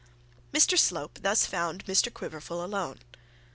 Mr Slope thus found Mr Quiverful alone.